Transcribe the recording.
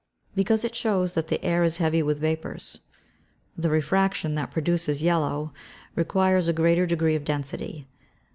_ Because it shows that the air is heavy with vapours. The refraction that produces yellow requires a greater degree of density.